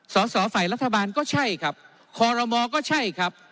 สอสอฝ่ายรัฐบาลก็ใช่ครับคอรมอก็ใช่ครับ